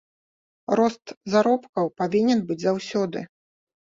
Рост заробкаў павінен быць заўсёды.